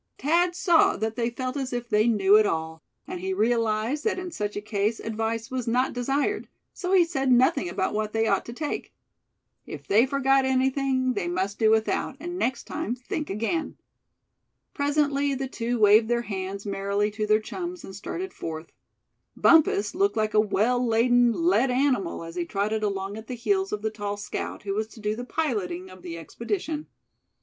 Thad saw that they felt as if they knew it all; and he realized that in such a case advice was not desired, so he said nothing about what they ought to take. If they forgot anything, they must do without, and next time think again. Presently the two waved their hands merrily to their chums, and started forth. Bumpus looked like a well laden, led animal as he trotted along at the heels of the tall scout, who was to do the piloting of the expedition.